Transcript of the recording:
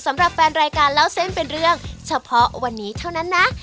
สำหรับแฟนรายการเล่าเส้นเป็นเรื่องเฉพาะวันนี้เท่านั้นนะ